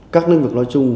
các lĩnh vực nói chung